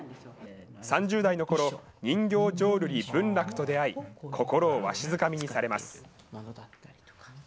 ３０代のころ、人形浄瑠璃・文楽と出会い心をわしづかみにされます。